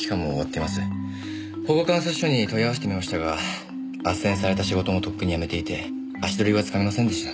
保護観察所に問い合わせてみましたが斡旋された仕事もとっくに辞めていて足取りはつかめませんでした。